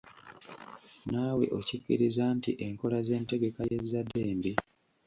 Naawe okikkirizza nti enkola z’entegeka y’ezzade mbi?